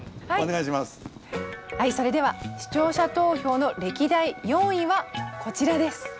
はいそれでは視聴者投票の歴代４位はこちらです。